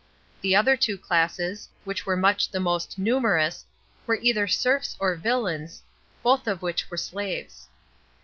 The other two classes, which were much the most numerous, were either serfs or villains, both of which were slaves.